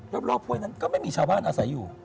ห้วยนั้นก็ไม่มีชาวบ้านอาศัยอยู่